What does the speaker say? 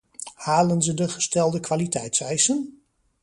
Halen ze de gestelde kwaliteitseisen?